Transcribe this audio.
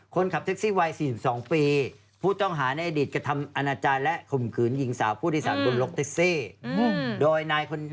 คนขับแท็กซี่วัย๔๒ปีผู้ต้องหาในอดีตกระทำอนาจารย์และข่มขืนหญิงสาวผู้โดยสารบนรถแท็กซี่